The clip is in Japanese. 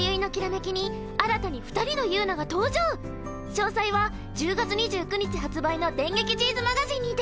詳細は１０月２９日発売の「電撃Ｇ’ｓマガジン」にて。